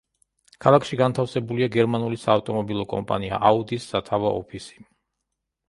ქალაქში განთავსებულია გერმანული საავტომობილო კომპანია აუდის სათავო ოფისი.